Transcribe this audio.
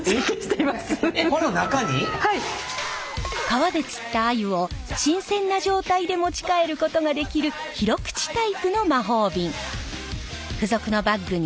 川で釣ったアユを新鮮な状態で持ち帰ることができる広口タイプの魔法瓶。